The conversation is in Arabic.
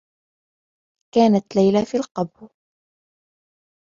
كانت ليلى في القبو.